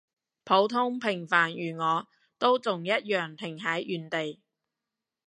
普通平凡如我，都仲一樣停喺原地